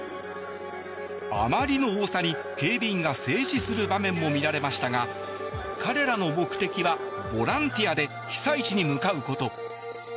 あまりの多さに警備員が制止する場面も見られましたが彼らの目的は、ボランティアで被災地に向かうこと。